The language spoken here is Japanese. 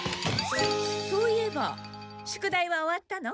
そういえば宿題は終わったの？